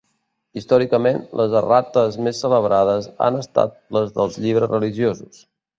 Històricament, les errates més celebrades han estat les dels llibres religiosos.